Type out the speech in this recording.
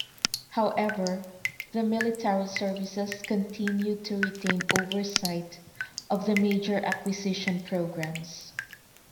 However, the military services continued to retain oversight of the major acquisition programs.